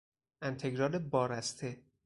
انتگرال بارسته